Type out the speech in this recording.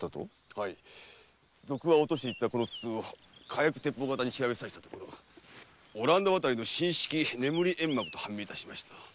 はい賊が落としたこの筒を火薬鉄砲方に調べさせたところオランダ渡りの「新式眠り煙幕」と判明いたしました。